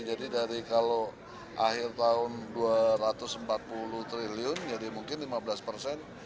jadi dari kalau akhir tahun rp dua ratus empat puluh triliun jadi mungkin lima belas persen